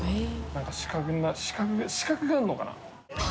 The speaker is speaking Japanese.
なんか資格があるのかな？